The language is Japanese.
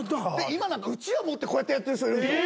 今なんかうちわ持ってこうやってやってる人いるんですよ。